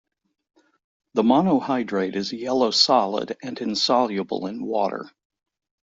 The monohydrate is a yellow solid and insoluble in water.